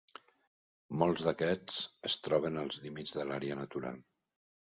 Molts d'aquests es troben als límits de l'àrea natural.